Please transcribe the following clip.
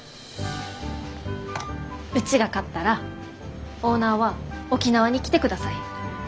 うちが勝ったらオーナーは沖縄に来てください。